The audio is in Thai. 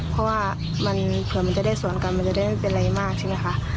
เพราะว่าเผื่อมันจะได้สวนกันมันจะได้ไม่เป็นไรมากใช่ไหมคะ